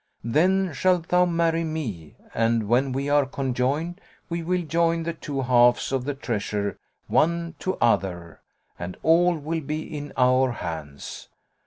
Then shalt thou marry me and, when we are conjoined, we will join the two halves of the treasure one to other, and all will be in our hands."